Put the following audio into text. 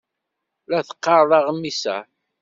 La teqqareḍ aɣmis-a?